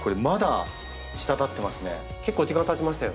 結構時間たちましたよね。